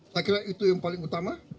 saya kira itu yang paling utama